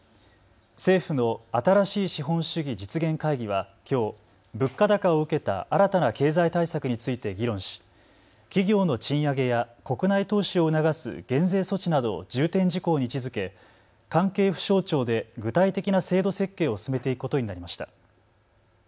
政府の新しい資本主義実現会議はきょう物価高を受けた新たな経済対策について議論し企業の賃上げや国内投資を促す減税措置などを重点事項に位置づけ関係府省庁で具体的な制度設計を進めていくことになりました。